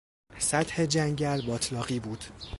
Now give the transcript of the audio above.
سطح جنگل باتلاقی بود.